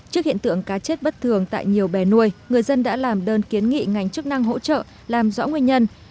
trước hiện tượng cá chết bất thường tại nhiều bè nuôi người dân đã làm đơn kiến nghị ngành chức năng hỗ trợ làm rõ nguyên nhân